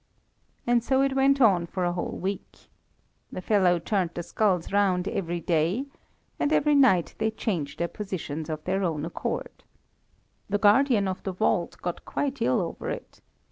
"And so it went on for a whole week. The fellow turned the skulls round every day, and every night they changed their positions of their own accord. The guardian of the vault got quite ill over it.